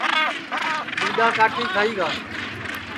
ٹیڈؔا کاٹی کھائی گا